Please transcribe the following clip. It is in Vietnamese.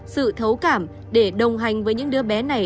sự thấu cảm để đồng hành với những đứa bé này